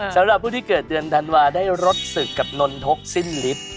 สำหรับผู้ที่เกิดเดือนธันวาได้รสศึกกับนนทกสิ้นฤทธิ์